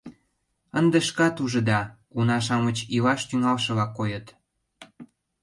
Ынде шкат ужыда, уна-шамыч илаш тӱҥалшыла койыт.